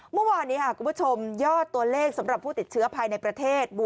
เมื่อวานนี้คุณผู้ชมยอดตัวเลขสำหรับผู้ติดเชื้อภายในประเทศ